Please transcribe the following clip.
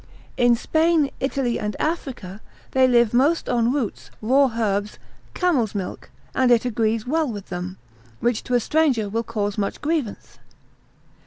In Spain, Italy, and Africa, they live most on roots, raw herbs, camel's milk, and it agrees well with them: which to a stranger will cause much grievance.